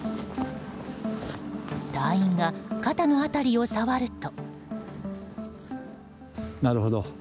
隊員が肩の辺りを触ると。